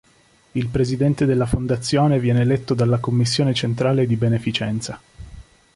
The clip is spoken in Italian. Il Presidente della Fondazione viene eletto dalla Commissione Centrale di Beneficenza.